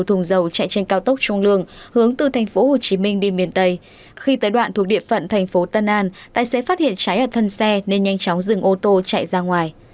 tại phận thành phố tân an tài xế phát hiện cháy ở thân xe nên nhanh chóng dừng ô tô chạy ra ngoài